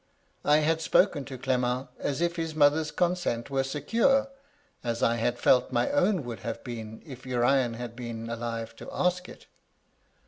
I had spoken to Clement as if his mother's consent were secure (as I had felt my own would have been if Urian had been alive to ask it).